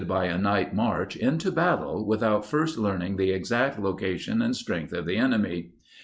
by a night march into battle without first learning the exact location and strength of the enemy.